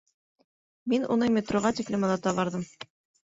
Мин уны метроға тиклем оҙата барҙым.